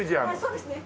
そうですね。